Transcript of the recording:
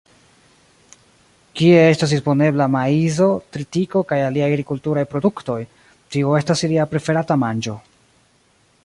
Kie estas disponebla, maizo, tritiko kaj aliaj agrikulturaj produktoj, tio estas ilia preferata manĝo.